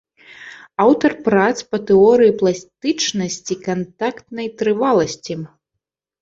Аўтар прац па тэорыі пластычнасці, кантактнай трываласці.